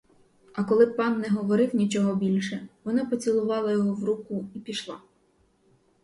А коли пан не говорив нічого більше, вона поцілувала його в руку і пішла.